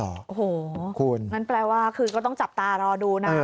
โอ้โหคุณงั้นแปลว่าคือก็ต้องจับตารอดูนะ